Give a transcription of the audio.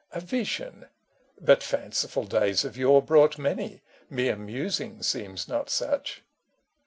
A vision ? But fanciful days of yore Brought many : mere musing seems not such.